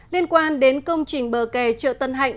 liên quan đến công trình bờ kè chợ tân hạnh